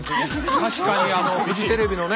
確かにフジテレビのね